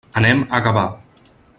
Anem a Gavà.